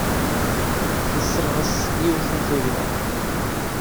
Tesseɣres yiwet n tugna.